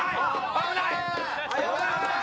危ない！